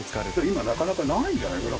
今なかなかないんじゃないかなこれ。